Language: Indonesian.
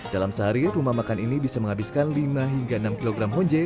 dalam sehari rumah makan ini bisa menghabiskan lima hingga enam kg honje